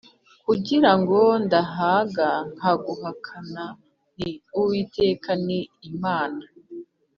Kugira ngo ndahaga nkaguhakana nti Uwiteka ni Imana